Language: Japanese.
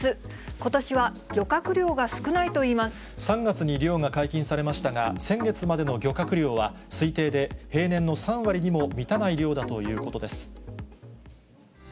ことしは漁獲量が少ないといいま３月に漁が解禁されましたが、先月までの漁獲量は推定で平年の３割にも満たない量だということです。